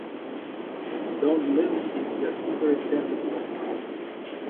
Don Lile is the Superintendent of Schools.